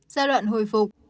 giai đoạn hồi phục